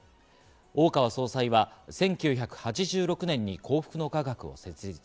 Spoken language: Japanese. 大川総裁は１９８６年に「幸福の科学」を設立。